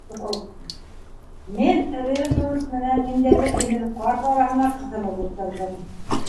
Мин Редрут менән ниндәйҙер һимеҙ ҡарт араһына ҡыҫылып ултырҙым.